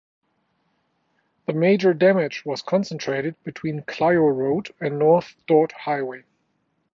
The major damage was concentrated between Clio Road and N. Dort Highway.